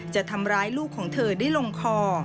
จะทำร้ายลูกของเธอได้ลงคอ